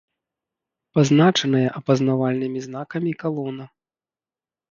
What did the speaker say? Пазначаная апазнавальнымі знакамі «Калона»